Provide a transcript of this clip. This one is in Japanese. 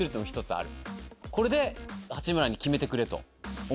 これで八村に決めてくれと思っている。